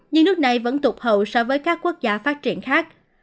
nhưng nước này vẫn tụt hậu so với các quốc gia phát triển khác